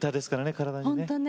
体にね。